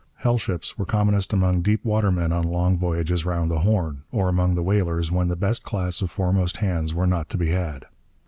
'Hell ships' were commonest among deepwatermen on long voyages round the Horn, or among the whalers when the best class of foremast hands were not to be had.